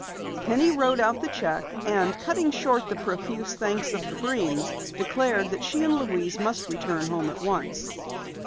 Penny wrote out the cheque, and cutting short the profuse thanks of the Breens, declared that she and Louise must return home at once.